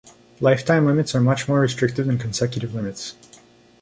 Lifetime limits are much more restrictive than consecutive limits.